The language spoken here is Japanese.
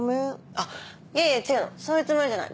あっいやいや違うのそういうつもりじゃない。